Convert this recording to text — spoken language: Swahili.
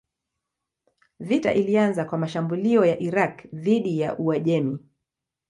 Vita ilianza kwa mashambulio ya Irak dhidi ya Uajemi.